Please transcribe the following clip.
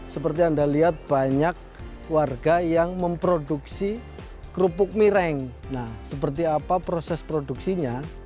seperti anda lihat banyak warga yang memproduksi kerupuk mireng nah seperti apa proses produksinya